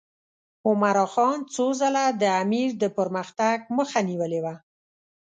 عمرا خان څو ځله د امیر د پرمختګ مخه نیولې وه.